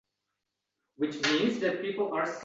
Qishloqda yaqinlarimdan faqat singlim bor